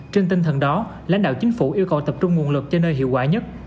trên tinh thần đó lãnh đạo chính phủ yêu cầu tập trung nguồn luật cho nơi hiệu quả nhất